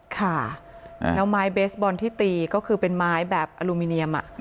ค่ะแล้วไม้เบสบอลที่ตีก็คือเป็นไม้แบบอลูมิเนียม